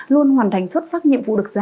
luôn hoàn thành xuất sắc nhiệm vụ được giao